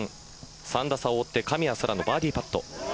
３打差を追って神谷そらのバーディーパット。